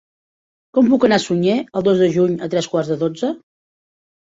Com puc anar a Sunyer el dos de juny a tres quarts de dotze?